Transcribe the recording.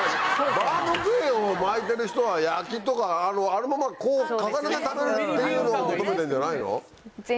バウムクーヘンを巻いてる人は焼きとかあのままこう重ねて食べるっていうのを求めてんじゃないの？